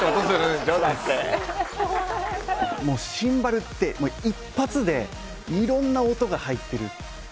シンバルって一発で色んな音が入ってる。